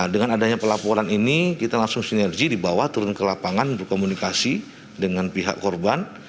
dengan adanya pelaporan ini kita langsung sinergi di bawah turun ke lapangan berkomunikasi dengan pihak korban